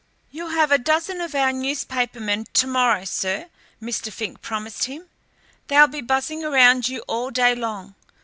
"You'll have a dose of our newspapermen to morrow, sir," Mr. Fink promised him. "They'll be buzzing around you all day long.